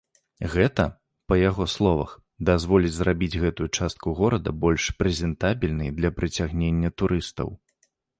Гэта, па яго словах, дазволіць зрабіць гэтую частку горада больш прэзентабельнай для прыцягнення турыстаў.